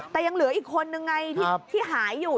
แต่ยังเหลืออีกคนนึงไงที่หายอยู่